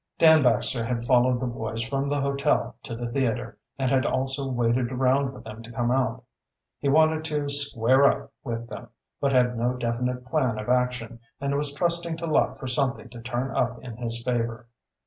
Dan Baxter had followed the boys from the hotel to the theater and had also waited around for them to come out. He wanted to "square up" with them, but had no definite plan of action, and was trusting to luck for something to turn up in his favor.